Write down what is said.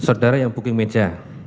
saudara yang booking meja